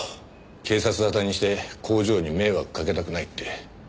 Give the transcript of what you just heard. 警察沙汰にして工場に迷惑かけたくないって。